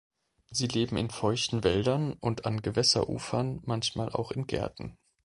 Sie leben in feuchten Wäldern und an Gewässerufern, manchmal auch in Gärten.